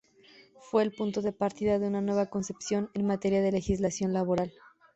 Fue el punto de partida de una nueva concepción en materia de legislación laboral.